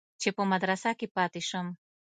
چې په مدرسه کښې پاته سم.